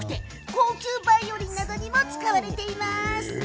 高級バイオリンなどにも使われているんです。